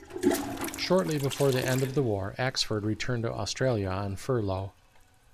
Shortly before the end of the war, Axford returned to Australia on furlough.